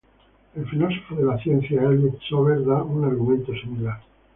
El filósofo de la ciencia Elliott Sober da un argumento similar.